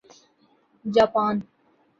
Japan